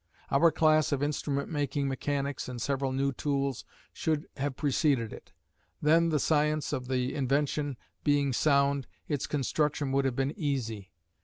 Our class of instrument making mechanics and several new tools should have preceded it; then, the science of the invention being sound, its construction would have been easy.